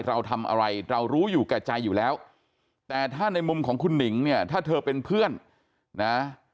เราทำอะไรเรารู้อยู่แก่ใจอยู่แล้วแต่ถ้าในมุมของคุณหนิงเนี่ยถ้าเธอเป็นเพื่อนนะ